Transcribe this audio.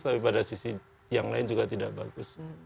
tapi pada sisi yang lain juga tidak bagus